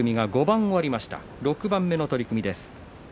６番目の取組です。